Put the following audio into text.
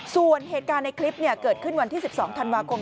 ส่วนเหตุการณ์ในคลิปเกิดขึ้นวันที่๑๒ธันวาคม